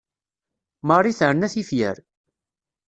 Marie terna tifyar.